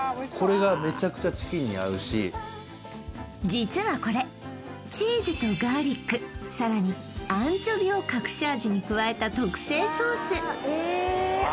これがめちゃくちゃチキンに合うし実はこれチーズとガーリックさらにアンチョビを隠し味に加えた特製ソースえ